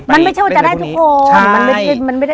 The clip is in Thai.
มันไม่ใช่ว่าจะได้ทุกคน